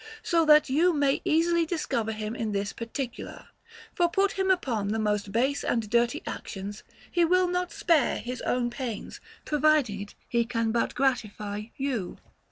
So that you may easily discover him in this particular. For put him upon the most base and dirty ac tions ; he will not spare his own pains, provided he can but gratify you.